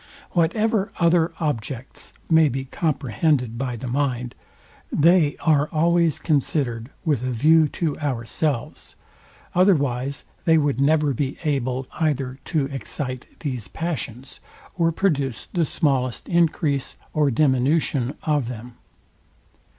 Whatever other objects may be comprehended by the mind, they are always considered with a view to ourselves; otherwise they would never be able either to excite these passions, or produce the smallest encrease or diminution of them.